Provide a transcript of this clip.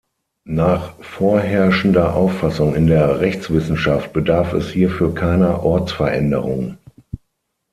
Nach vorherrschender Auffassung in der Rechtswissenschaft bedarf es hierfür keiner Ortsveränderung.